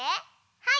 はい！